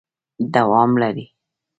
دوام لري ...